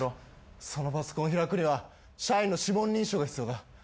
そのパソコンを開くには社員の指紋認証が必要だ。